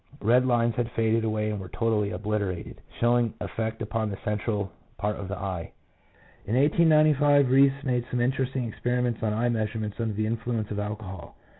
1 Red lines had faded away and were totally obliter ated, showing effect upon the central part of the eye. In 1895 Reis made some interesting experiments on eye measurements under the influence of alcohol.